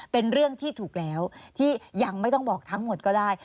เป็นเรื่องที่ถูกแล้วที่ยังไม่ต้องบอกทั้งหมดก็ได้